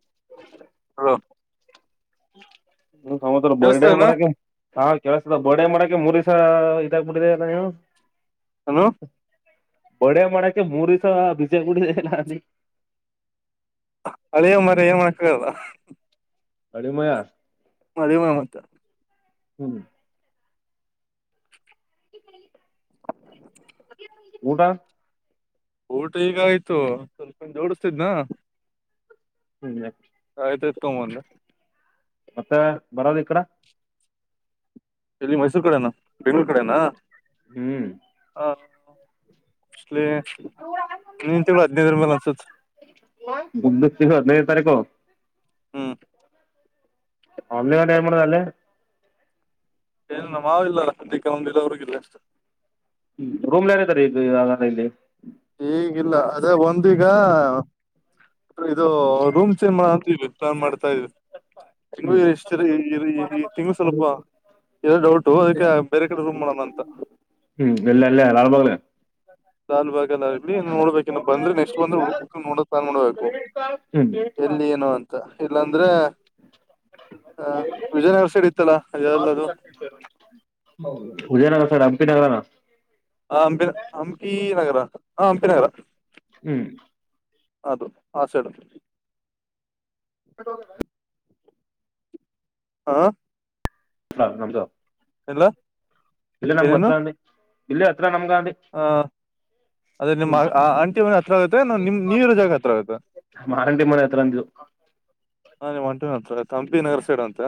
ಹ ಹಾ ಹ ಸಮತ ಬರ್ಡೇ ಮಾಡಕಾವ ಕೆಳಸಿದ ಗೋಡೆ ಮರಕ್ಕೆ ಮೂರುಸ ಇದಾಗ್ಬಿಟ್ಟಿದೆ ಅದ ನೀವು ಹಲೋ ಬಡ ಮಾಡಡಕ್ಕೆ ಮೂರಸ ಬಿಜಯಗಡಿನಾನ ಅಳೇ ಮರ ಏ ಮಾಡಕಲ್ಲ ಅಡಿಮಯಾ ಮದೇ ಮ ಮಾತ ಹ್ಮ್ [unintelligible] ಊಟ ಊಟ ಈಗ ಆಯ್ತು ಸ್ವಲ್ಪ ಜೋಡಸ್ತಿದ್ನಾ ಹ್ಮ ಕತ ತ ಒ ಮತ್ತೆ ಬರೋದು ಇ ಕಡ ಎಲ್ಲಿ ಮೈಸೂರ್ ಕಡೆನಾ ಬೆಂಗ್ಗಳೂರ್ ಕಡೆನಾ ಹ್ಮ್ ಮಲಿ ನೀನ್ ತಿಳ ಹದ್ಿನೈದರ ಮೇಲೆ ಅನ್ಸುತ್ತ ಬಗ್ ಸಿಹ ನೈರ ತಾರೀಖ ಹ್ಮ್ ಅಂದ ಟೈ ಮಾಡ ಅಲ್ಲೇ ಏನ ನ ಮಾವ ಇಲ್ಲಲ್ಲಕ್ಕೆಂದಿಲ್ಲ ಅವ್ರಗ ಇಿಲ್ಲ ಎಷ್ಟು ಹ್ಮ ರೂಮ್ಲ್ ಯಾರಾರೆ ಈಗ ಇಲ್ಲಿ ಈಗಿಲ್ಲ ಅದೇ ಒಂದೀಗ ಇದು ರೂಮ್ ಚೇಂಜ್ ಮಾಡ ಅಂತವಿ ಪ್ಲಾನ್ ಮಾಡ್ತಾ ಇದ್ವಿ ತಿಂಗಳ ಹ್ಮ್ ಎಷ್ಟ ತಿಂಗಳ ಸ್ವಲ್ಪ ಇೋ ಡೌಟು ಅದಕ್ಕೆ ಬೇರೆ ಕಡೆ ರೂಮ್ ಮಾಡೋಣ ಅಂತ ಹ್ಮ್ ಎಲ್ಲ ಎಲ್ಲಲ್ಲ ಆಳ್ ಬಾಗಲ ಸಾಾಲ್ ಬಾಗಲ್ಲ ಆಗ್ಲಿ ನೋಡ್ಬೇಕ ಇನ್ನು ಬಂದ್ರೆ ನೆಕ್ಸ್ಟ್ ಬಂದ್ರ ಉುಡ್ಕಕ ನೋಡಾನ್ ನೋಡ್ಬೇಕು ಹ್ಮ್ ಎಲ್ಲಿ ಏನು ಅಂತ ಇಲ್ಲಾಂದ್ರೆ ಆ ವಿಜಯನಗರ ಸೈಡ್ ಇತ್ತಲ್ಲ ಅದೆಲ್ಲದು [unintelligible] ಹಜೆನಾಗ ಸರ್ ಾನ ಹ ಅಂಪಿ ಹಂಪಿ ನಗರ ಹ ಹಂಪಿ ನಗರ ಹ್ಮ್ ಅದು ಆ ಸೆಡ ಹ ಹಾ ಹ ನಮ್ದು ಇಲ್ಲ ನಮ್್ದು ಏನೇನು ಹತ್ರ ಇಲ್ಲ ಹತ್ರ ನಮ್ಗೆ ಅ ಅದ್ರ ನಿಮ್ಮ ಆಂಟಿವ ಹತ್ರ ಆಗತ್ತೆ ನಿಮ್ ನೀವ ಇರೋ ಜಾಗ ಹತ್ರ ಆಗತ್ತೆ ಮಾರಂಟಿ ಮೂರ ಹತ್ರಂದವು ಹಾ ನಿ್ ಮಂಟ ಅಂತ ತಂಪಿ ನಗರ ಸೈಡ್ ಅಂತ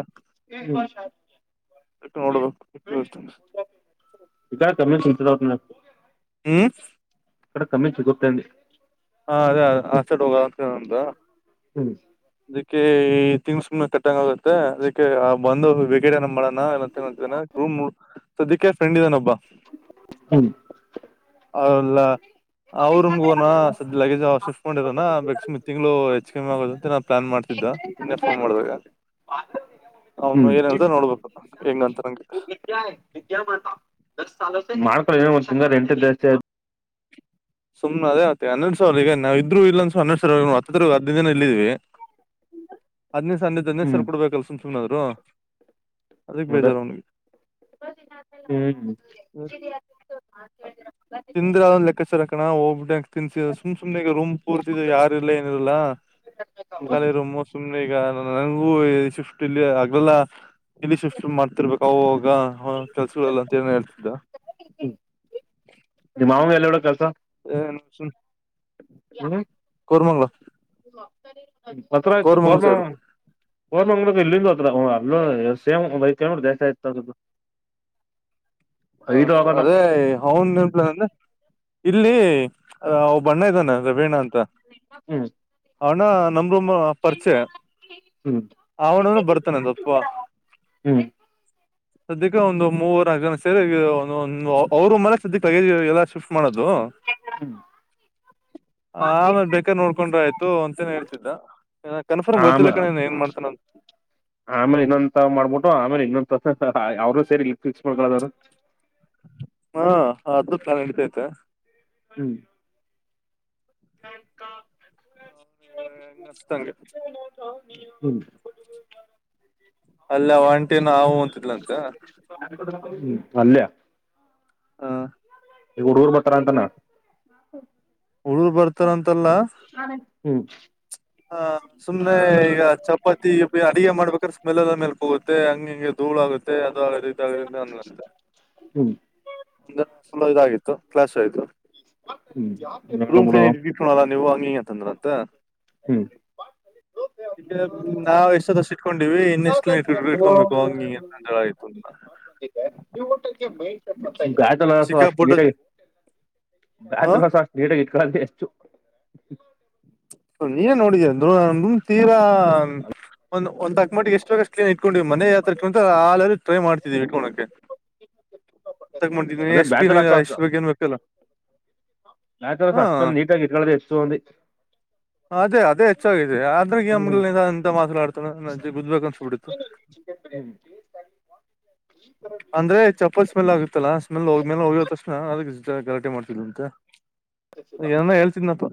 ಎಟ್ಟ ನೋಡ್ಬೇಕುತ ಈ ಕಡೆ ಕಮ್ಮಿ ಸಿಗ್ತದ ಹ ಕಡ ಕಮ್ಮಿ ಸಿಗೊತ್ತೇಿ ಹಾ ಅದೇ ಅ ಆಚೆಡ್ ಹೋಗಂತಂತ ಹ್ಮ್ ಅದಕ್ಕೆ ಈ ತಿಂಗ್ಸ್ ಕಟ್ಟಂಗ ಆಗುತ್ತೆ ಅದಕ್ಕೆ ಬಂದ ಗಡ ನ್ಣ ಸದ್ಯಕ್ಕೆ ಫ್ರೆಂಡ್ ಇದಾನೊಬ್ಬ ಹ್ಮ್ ಹೌಲ್ಲ ಅವರುಮ್ಗೋನಾ ಸದ್ ಲಗೇಜ್ ಶಿಫ್ಟ್ ಮಾಡಿರೋಣ ಬಕ್ಮತ್ ತಿಂಗಳುಳ ಹೆಚ್ ಕಿ ಆಗೋುದಂತ ನಾನ ಪ್ಲಾನ್ ಮಾಡ್ತನಿ ನಿನ್ನೆ ಫೋನ್ ಮಾಡ್ಬೇಕ ನೋಡ್ಬೇಕು ಹೆಂಗಂತ ನಂಗೆ [unintelligible] ಮಾಡ್ ಒ ಸಿಂಗರ್ ಎಂಟ ಸು್ನೆ ಅದೇ ಆೆ ಹನ ಸಾವರ್ಗ ಇದರು ಇಲ್ಲ ಅ ಸನರ್ ಹತ್ತತ್ರ ಹದಿನ ದಿನ ಇಲ್ಲಿದೀವಿ ಹದನೇ ಸಜೆದಿನೇ್ ಸರ್ ಹ್ಮ್ ಕೊಡ್ಬೇಕ ಅ ಸು್ ಸು್ನ ಹ ಅದಕ್ಕೆ ಅದೇ ಬೇಜಾರ ಅವನಗೆ ಹ್ಮ್ ್ರ್ ಲೆಕ್ಕಚಾರ ಹಾಕಣ ಹೋಗಬ ತಿನ್ಸ ಸುಮ್ ಸುಮನೆ ಈ ರೂ್ ಪೂರ್ತಿಿದ ಯಾರಿಲ್ಲಾ ಏನರಲ್ಲಾ ಕಳಿರು ಮೋ ಸುಮ್ನೆ ಈಗ ನನಗೂ ಶಿಫ್ಟ್ ಇಲ್ಲಿ ಆಗ್ರಲ್ಲ ಇಲ್ಲಿ ಶುಫ್ಟ ಮಾಡ್ತಿರ್ಬೇಕು ಅ ಆಗ ಹ ಕೆಲ್ಸಗಳೆಲ್ಲ ಅಂತ ಹೇಳ್ತಿದ್ದ ನಿಮ್ಮ ಮಾವಂಗ ಎಲ್ಲಿ ಹೇಳು ಹನು ಹ್ಮ ಪತ್ರತ್ತು ಕೋರ್ಮಂಗ್ಲ ಕರ್ಮ ಸೈಡು ಹೋದ ಮಂಗ್ಳ ಇಲ್ಲಿಂದ ಹತ್ರ ಅ ಸೇಮ್ ದಸ ಆಯತದದು ಹಾಯ್ ಹ ಅಷ್ಟ ಅದೇ ಅವನು ನೆನ್ಪ್ಲ ನಂದ ಇಲ್ಲಿ ಅವ ಬಣ್ಣ ಇದ್ದಾನೆ ರವೀಣ ಅಂತ ಹ್ಮ್ ಅವಣ ನಮ್ರಮ್ಮ ಪರಿಚಯ ಹ್ಮ್ ಅವನನು ಬರ್ತಾನೆ ಸ್ವಪ್ಪಪ ಹ್ಮ್ ಸದ್ಯಕ್ಕೆ ಒಂದು ಮೂವರು ಜನ ಸೇರಿ ಒ ಅವರು ಮೇ ಸದ್ಯ ಪೇಜಿ ಎಲ್ಲ ಶಿಫ್ಟ್ ಮಾಡದ ದು ಚೆಕ್ ಆ ಆಮೇ್ ಬೇಕಾ ನೋಡ್ಕೊಂಡ್ರ ಆಯ್ತು ಅಂತೇ ಹೇಳ್ತಿದ್ದ ಕನ್ಫರ್ಮ್ ಗೊತ್ತಿಲ್ಲ ಆಮೇ ಕಣನ್ ಏನ್ ಮಾಡ್ತಾನ ಆಮೇಲೆ ಇನ್ನೊಂದ ಮಾಡ್ಬಿಟ್ಟು ಆಮೇಲೆ ಇನ್ನೊಂದ್ ಅವ್ರರು ಸೇರಿರ್ ಕಸ್ಪಕಾದರ ಹ ಅದ ನಾ ನಡತಯತೆಾ ಹ್ಮ್ ಬ್ಯಾಕಾ ಹನಗ ಇನ್ನಿಸತಂಗೆ ಹ್ಮ್ ಅಲ್ಲ ಒಂಟನು ಹಾವು ಅಂತಲಂತ ಅಲ್ಲಯ ಹಾ ಈಗ ಹುಡ್ಗೂರ್ ಬತಾರ ಅಂತಾನ ಉಳರು ಬರ್ತಾರಂತಲ್ಲ ಹ್ಮ್ ಹ ಸುಮ್ನೆ ಈಗ ಚಪಾತಿ ಅಡಗೆ ಮಾಡ್ಬೇಕಾದ್ರೆ ಸ್ಮೆಲ್ ಎಲ್ಲ ಮೇಲ್ ಹ ಹೋಗುತ್ತೆ ಹಂಗ ಹಿಂಗೆ ಧೂಳು ಆಗುತ್ತೆ ಅದು ಆಗದ ಇದಾಗದಿಂದ ಅನ್ಲಂತೆ ಹ್ಮ್ ಒ ುಲೋ ಇದಾಗಿತ್ತು ಕ್ಲಾಸ್ ಆಯ್ತು ಹ್ಮ್ ಹೇಳು ರೂಮ್ ಬಿಡು ಫಿನಿ್ಲ್ಲ ನೀವು ಹಂಗಂತಂದ್ರ ಅಂತ ಹ್ಮ್ ಈ ನಾವ ಎಷ್ಟು ಇಟ್ಕೊಂಡೀವಿ ಇನ್ನೆಷ್ಟು ಕಲಮ ಇಟ್ಕೊಬೇಕು ಹಂಗಿ ಜಳ ಆಯತು ಈ ಊಟಕ್ಕೆ ಮೇ ಗಾಯತ್ಲು ಹಸ ಅಷ್ಟು ಸಿಕ್ಕಾಪಟ್ಟೆ ನೀಟಾಗಿತ್ತು ಹ ಗಾಯತ್ಲು ಹೊಸ ಅಷ್ಟು ನೀಟಾಗಿತ್ತು ಎಷ್ಟು ನೀಏನ್ ನೋಡಿದಮ ತೀರಾ ಒಂದ್ ಒಂದಕ್ ಮಟ್ಟಿಗೆ ಎಷ್ಟ ್ನ್ ಇಟ್ಕೊಂಡ್ವಿ ಮನೆೆಯ ಯಾತ್ರಾ ಇಟ್ಕೊಂಡಂತ ಆ ಟ್ರೈ ಮಾಡ್ತಿದೀವಿ ವಕೋಳಕ್ಕೆ ತಗೊಂಡಿದನ ಅದೇ ಎಷ್ಟ ಪಿ ಬ್ಯಾಚಲರ್ ಅಷ್ಟು ಎಷ್ಟ ಬಗ್ ಏನ್ ಬೇಕಲ್ಲ ನಾ್ ತರಸ ಹಾ ಅಷ್ಟೊಂದು ನೀಟಾಗಿ ಇಟ್ಕೊಳ್ಳ್ದ ಎಷ್ಟು ಒಂದು ಅದೇ ಅದೇ ಹೆಚ್ಚಾಗಿದೆ ಆದ್ರಮಂತ ಮಾತಾಡ್ತಾನಜ ಬ್ಬೇಕು ಅನ್ಸ್ಬಿಡೆ ಹ ಪ್ಲಜ್ ಅಂದ್ರೆ ಚಪ್ಪಲ್ ಸ್ಮೆಲ್ ಆಗುತ್ತಲ್ಲಾ ಸ್ಮೆಲ್ ಹ್ಮ್ ಹ್ಮೇಲ್ ಹೋಗ್ಯ ತಕ್ಷಣ ಅದ ಗಲಾಟೆ ಮಾಡ್ತಿ್ ಅಂತ ಏ ಹೇಳ್ತಿದ್ನಪ್ಪ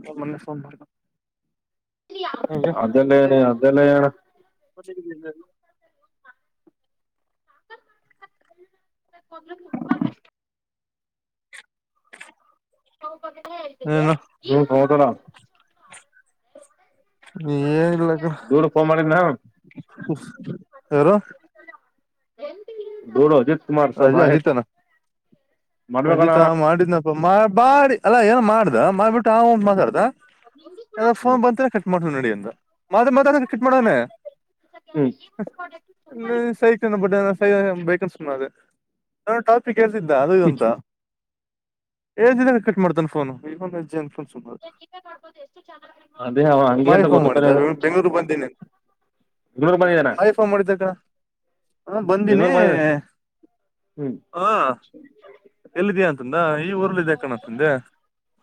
ಹಂಗೆ ಅದಲ್ಲನೆ ಅದೆಲ್ಲಯಾನ ಮತ್ತ ಹೋದ್ರೆ ತುಂಬಾ ಕಷ್ಟ ಹ ಏನೋ ಕಟ ನ ನೀ ಏನ್ ಇಲ್ಲಕ್ಕ ದೂಡು ಫೋನ್ ಮಾಡಿದ್ನ ಯಾರೋ ಗೌಡ ಹಜ ಅಜ ಅಜಿತಾನ ಮಾಡ್ಬೇಕಲ್ಲ ಅಜಿತಾ ಅವ ಮಾಡಿದನಪ್ಪ ಬಾ ಅಲ್ಲ ಏನು ಮಾಡ್ದ ಮಾಡ್ಬಿಟ್ಟು ಅವು ಮಾತಾಡ್ದ ನನಗ ಫೋನ್ ಬಂತ ಕಟ್ ಮಾಡ್ಕೊಂಡ ನಡಿ ಅಂದಾ? [unintelligible] ಮತಡಿ ಮತಡಿ ಕಟ್ ಮಾಡವನೆ. ಹ್ಮ್ [unintelligible] ನಾ ಸಾಯ್ತೀನಿ ಬಡ್ಡೆದೆ ಸಾಯಿ ಬೇಕಂತ ಸುಮ್ಮ ಆದೇ, [unintelligible] ಆವ ಟಾಪಿಕ್ ಹೇಳ್ತಿದ್ದ ಅದು ಇದು ಹ್ಮ್ ಅಂತ? [unintelligible] ಎಸ್ಟ್ ದಿನಾ ಕಟ್ ಮಾಡ್ತಾನ್ ಫೋನು ಹಿಡಕೊಂಡ ಜಜ್ಜ ಅವನ. [unintelligible] ಹುಚ್ ಸುಮಗ ಅದೇ ಅವ ಹಂಗೆ ಹೋಳಿ ಅಂತ ಫೋನ್ ಗೊತ್ತಾನೆ ಮಾಡಿದಾ ನಾನ ಬೆಂಗಗಳೂರು ಬಂದೇನಿ. [unintelligible] ಬೆಂಗ್ಳೂರ್ ಅ ಬಂದಿದಾನ ಮಹಿ ಫೋನ್ ಮಾಡಿದ್ದಾ ಕಣೋ ಹು ಬಂದಿನಿ. [unintelligible] ಹೂ [unintelligible] ಎಲ್ಲಿದ್ಯಾ ಅಂತಂದ ಈ ಊರ್ಲ್ಲ ಇದ್ಯಾ ಕಣೋ ಅಂತಂದೆ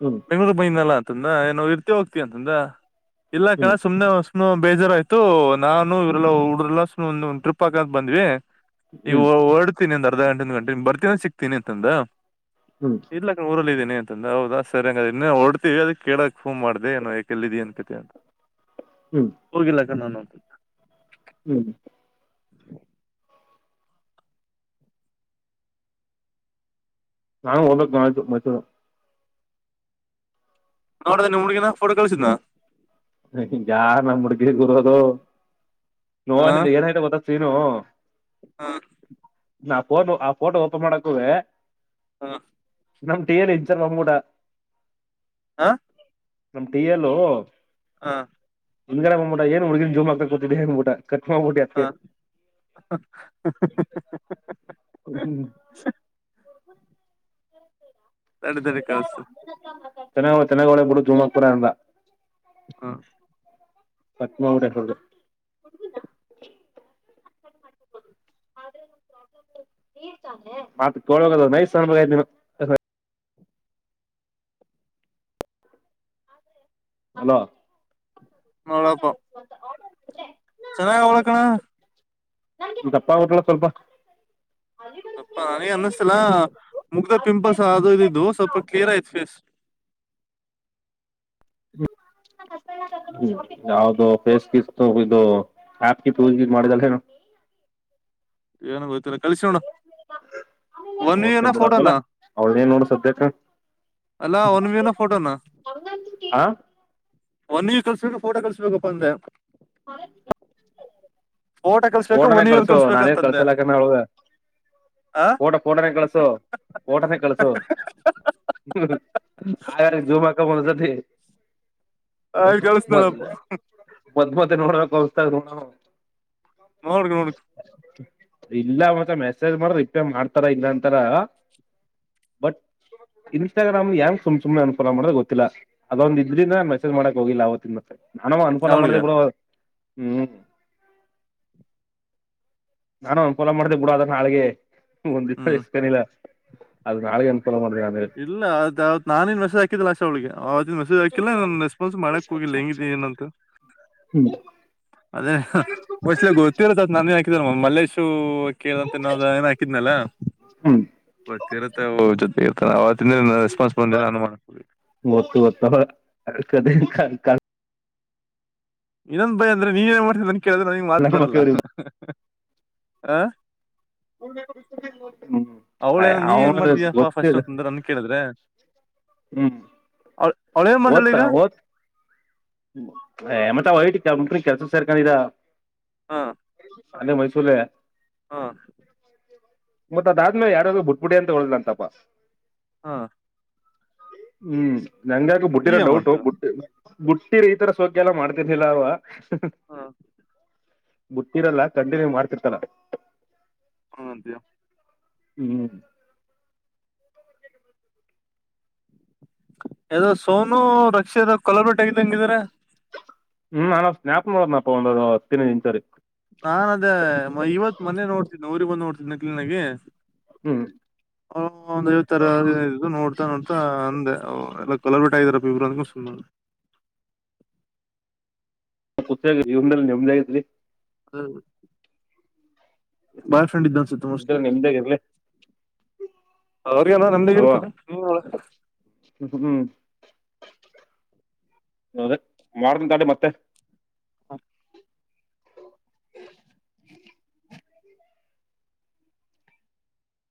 ಹ್ಮ್ ಬೆಂಗಳೂರ ಬ [unintelligible] ರಲ್ಲ ಅಂತಂದ ನಾವ್ ಇರ್ತಿವಿ ಅಪ್ಪಿ ಅಂದಾ ಇಲ್ಲಾ ಹ್ಮ್ ಅಕ್ಕಾ ಹ್ಮ್ ಸುಮ್ಮನೆ ವಸ [unintelligible] ಬೇಜಾರಾಯ್ತು ನಾನು ಇವ್ರಲ್ಲ ಊಡ್ರಲ್ಲ ಟ್ರಿಪ್ ಹಾಕಂತ ಬಂದ್ವಿ ಈಗ ಹ್ಮ್ ಹೊಡ್ ಗಂಟೆ ಬರ್ತ ಸಿಕ್ತೀನಿ ಅಂತಂದ ಹ್ಮ್ ಇಲ್ಲ ಊಲ್ಲ ಇದೀನಿ ಮನೆ ಹತ್ರಾ ಇದಾರ ಹೌದಾ ಸರಿ ಹಾಗಂರ ಇನ್ನ ಹೊಡ್ತೀವಿ ಅದಕ ಕೇಳಕ್ ಫೋನ್ ಮಾಡ್ದೆ ನಾಯಕ್ ಎಲ್ಲಿ ಇದ್ಯಾಯಾ ಅಂತ [unintelligible] ಹೋಗಿಲ್ಲ ಅಕಡೆ ನಾನು. [unintelligible] ಹೂ [unintelligible] [unintelligible] ನಾನು ಹೋಗಬೇಕ್ ನಾಳೆ ಸ್ವಲ್ಪ ಮೈಸೂರ. [unintelligible] ನೋಡದ ನಿಮ್ಮ ಹುಡುಗಿನಾ ಫೋಟೋ ಕಳಸಿದ್ನ? [unintelligible] ಯಾರ ನಮ್ಮ ಹುಡಗಿಗ ಓದರೋದು ನೋಡ ಇದ ಏನಯತ ಗೊತ್ತ [unintelligible] ಇರೋ [unintelligible] ಹಾ [unintelligible] ನನ್ನ ಪೋನ್ ಆ ಫೋಟೋ ಓಪನ್ ಮಾಡಕ ಹೋದ್ರೆ, [unintelligible] ಹಾ [unintelligible] ನಮ್ಮದ ಟೀಯನ್ ಇಂನ್ಚರ್ ಬಂದಬಿಟ್ಟ. [unintelligible] ಆ [unintelligible] ನಮ್ಮ ಟೀಯಲು, [unintelligible] ಆ [unintelligible] ಮುಂದ ಗಡೇ ಬಂದಬಿಟ್ಟ ಏನ್ ಹುಡಗಿಯರ ಜೂಮ್ ಹಾಕತಬಿಟ್ಟಿ ಅಂದ. [unintelligible] ಹಾ [unintelligible] ಹುಡುಗಿಗೆ, [unintelligible] ತಡಿ ತಡಿ ಚಳಿಗಾಲ ಕಳ್ಸ್ತೀನಿ [inaudible] ಚೆನ್ನಾಗವ್ಳೆ ಚೆನ್ನಾಗವ್ಳೆ ಬಿಡು ಚಲೋ ಆಗ್ತಾರ ಅಂದ, [unintelligible] ಹ ಪದ್ಮಾ ಹೊಡೆಯೋಕ ಹೋದೆ. [unintelligible] [inaudible] ಆದರೆ ಒಂದ್ ಪ್ರಾಬ್ಲಮ್ ನೀರ ತಾನೆ ಒಟ್ಟ ತೋಳದರ ನೈಸಆಗಾ ಬೇಕ್. [unintelligible] ಹಲೋ [unintelligible] ಮಲಕೊ [unintelligible] ಚೆನ್ನಾಗ ಹೋದೇ ಕಣೋ. [unintelligible] ನಂಗೆ ದಪ್ಪ ಆಗಬೇಕಾ ಅಲ್ಲಾ ಸ್ವಲ್ಪ. [unintelligible] ಸ್ವಲ್ಪ ಆನೀ ಅನ್ನಿಸ್ತಲ್ಲ ಮುಗ್ದ ಪಿಂಪಲ್ಸ್ ಅದು ಇದು ಇದ್ದುವು ಸ್ವಲ್ಪ ಕ್ಲಿಯರ್ ಆಯತ್ ಫೇಸ್, [unintelligible] [unintelligible] [inaudible] ಹು ಯಾವ್ದ ಫೇಸ್ ಕಿಟ್ ತೋಗೋಇದು ಆಪ್ ಗಿಪ್ ಯೂಸ್ ಮಾಡಿದ ಕಣೋ, [unintelligible] [unintelligible] [inaudible] ಏನ ಗೋತ್ತಿಲಾ ಕಳಸಿ ಮೇಡಂ. [unintelligible] ನೋಡತಿನಿ ಬಿಡ್ ಅಂದಿಲ್ಲ ಅವಳ ಏನ್ ನೋಡದ ಸದ್ಯಕ್ಕ. [unintelligible] ಅಲ್ಲ ಒನ್ ವಿನ ಫೋಟೋನಾ? [unintelligible] ಹ ಒನ್ ನೀ ಕಲ್ಸ್ಬೇಕು ಫೋಟೋ ಕಲ್ಸ್ಬೇಕಪ್ಪ ಅಂದೆ. [unintelligible] ಓಟ ಕಲ್ಸ್ಬೇಕು ಒನ್ ಇವರ್ ಕಲ್ಸ್ಬೇಕಂತ? [unintelligible] ಕಳಸಲ ಕಣೋ ಅವಳಿಗೆ? [unintelligible] ಆ ಪೋಟೊ ಪೋಟೊನ ಕಳಸು ಪೋಟೊನೇ ಕಳ್ಸು. [unintelligible] ಆಗಲೇ ಜೂಮ ಹಾಕೋದ ಉಳದೇತಿ? [unintelligible] ಆಯ್ತ್ ಕಳ್ಸ್ನಳಪ್ಪ ಮ ಮದ್ಮತ್ತ ನೋಡ್ಬೇಕ ಅವಸ್ತ ನ ನೋಡ್ ನೋಡ್ ಇಲ್ಲ ಮತ್ತ ಮೆಸೇಜ್ ಮಾಡ ರಿಪ್ೇ ಮಾಡ್ತಾರ ಇಲ್ಲ ಅಂತಾರ ಬಟ್ ಇನ್ಸ್ಟಾಗ್ರಾಮ್ ಯಂಗ ಸುಮ್ ಸು್ನೆ ಅನುಫಲೋ ಮಾಡದೆ ಗೊತ್ತಿಲ್ಲ ಅದೊಂದು ಇದ್ರಿಂದ ನಾನನ್ ಮೆಸೇಜ್ ಮಾಡಕಕ್ ಹೋಗಿಲ್ಲ ಅವತ್ತಿನ ಮತ್ತೆ ನಾನ ಅನುಕೂಲ ಮಾಡ್ದ ಅವಳಿಗೆ ಹ್ಮ್ ನಾನು ಒ ಪೊಲ ಮಾಡ್ದ ಬಿೂಡ ಅದನ್ನ ನಾಳಿಗೆ ಒಂದ್ ದಿವಸ ಹ್ಮ್ ಎಷ್ಟಕನಿಲ್ಲ ಅದ ನಾಳಗಂತ ಇಲ್ಲ ಅದ್ತ್ ನಾನನ್ ಮೆಸೇ್ ಹಾಕಿದಿಲ್ಲ ಅಷ್ಟ ಅವಳಿಗೆ ಅವತ್ತನ್ ಮೆಸೇ್ ಹಾಕಿಲ್ಲ ನನ್ ರೆಸ್ಪಾನ್ಸ್ ಮಾಡಕ್ ಹೋಗಿಲ್ಲ ಹೆಂಗಿದಿನಿ ಏನಂತ ಹ್ಮ್ ಬಹುಶಃ ಗೊತ್ತಿರತ್ತತ್ ನಾನೇ ಹಾಕಿದೂ ಮಲ್ಲೇಶು [unintelligible] ಕಿರ್ ಅದು ತಿನೋದ ಎಲ್ಲಾ ಹಾಕಿದ್ನಲ್ಲ ಹ್ಮ್ ಗೊತ್ತ ಇರತ್ತ ಜೊತೆಗ ಇರ್ತ [unintelligible] ಇನೇನ್ ರೆಸ್ಪಾನ್ಸ್ ಬಂದಿಲ್ಲ ಅನ್ನ ಮಾಡ [unintelligible] ಗೊತ್ತು ಗೊತ್ತು ಕದೆ ಇನ್ನೊಂದ ಭಯ ಅಂದ್ರೆ ನೀನ್ೇಏನ್ ಮಾಡ್ತಿದ ಅನ್ ಕೇಳಿದ್ರ ನನಗ್ ಮಾತ್ ಬರಲ್ಲ ಆ ಹ್ಮ್್ ಅವಳೇನ ನೀನ್ ಏನ್ ಅವ ಮಾಡ್ತಿದ್ಯಪ್ಪಾ ಫಸ್ಟ್ ಗೊತ್ತಿಲ್ಲ ಅಂತಂದ್ರೆ ನನ್ ಕೇಳಿದ್ರೆ ಹ್ಮ್ ಅವಳ ಏನ್ ಮಾಡ್ತಾಳು ಈಗ ಎಮಟ ಒಯಟ ಮುಂಟ ಕೆಲ್ಸ ಸೇರ್ಕರಾ ಹಾ ಅದೇ ಮೈಸೂರುಲ್ಲ ಹಾ ಮತ್ತತ್ ಅದಾದ್ಮೇಲೆ ಯಾರಾದ್ರು ಬುಟ್ಬುಡಿ ಅಂತ ಹೇಳ್ದ್ ಅಂತಪ್ಪ ಹಾ ಹ್ಮ್ ನಂಗಕ ಬುಟ್ಟಿರೋ ಈಗ ಡೌಟು ಮಾಡ್ತಾಳ ಬಟ್ಟ ಟ್ಟೀ ಈ ತರ ಸೌಕ್ಯ ಎಲ್ಲ ಮಾಡ್ತರ್ಲಿಲ್ಲ ಅವ ಹ ಬಟ್ಟಿರಲ್ಲ ಕಂಟಿನ್ಯೂ ಮಾಡ್ತಿರ್ತಾನ ಹಾ ಅಂತೆಯ ಹ್ಮ್ ಯದೋ ಸೋನು ರಕ್ಷ ಕೊಲಬಟ್ಟೆ ಆಗಿದ್ದಂಗಿದ್ರ ಹ್ಮ್ ನಾನ ಸ್ಾಪ ನೋಡದನಪ್ಪ ಒಂದ ಹತ್ತಿನ ನಿಂಚರಿ ನಾನ್ ಅದೇ ನಕ್ಲಿ ನಗೆ ಹ್ಮ್ ಒಂದ್ ಐವತ್ತ ತರದು ನೋಡ್ತಾ ನೋಡ್ತಾ ಅಂದೆ ಎಲ್ಲ ಕೊಲರ್ ಬಿಟ್ಟ್ರ ವಿವ್ರಾನಗಷಲ್ ಪತ್ ಇವನಲ್ಲಿ ನಿಮ್ದಾಗಿದ್ರರಿ ಹ್ಮ ಬಾಯ್ ಫ್ರಂಡ್ ಇದ್ದ ಉಟ ಮೋಸ್ಟ್ಲಿ ನಿಮ್ದಾಗಿ ಇರ್ಲಿ ಅವ್ರಿಗನ ನಮ್ದಗ ಇರ್ತದೆ ನೀ ಹ್ಮ ಹ್ಮ್ ಹ್ಮ್ ಹೌದ ಮಾಡ್ದ ದಾಡಿ ಮತ್ತೆ ಹ